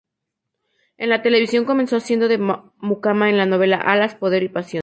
En la televisión comenzó haciendo de mucama en la novela "Alas, poder y pasión".